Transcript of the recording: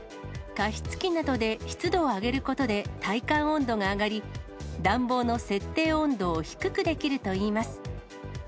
加湿器などで湿度を上げることで体感温度が上がり、暖房の設定温度を低くできるといいます。